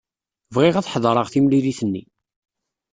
Bɣiɣ ad ḥedṛeɣ timlilit-nni.